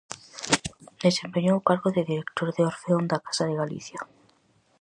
Desempeñou o cargo de director do Orfeón da Casa de Galicia.